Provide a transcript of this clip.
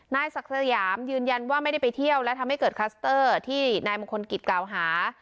นายศักดิ์สยามยืนยันว่าไม่ได้ไปเที่ยวและทำให้เกิดคลัสเตอร์ที่นายมงคลกิจกล่าวหา